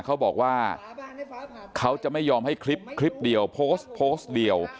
เขาบอกว่าเขาจะไม่ยอมให้คลิปคลิปเดียวโพสต์โพสต์เดียว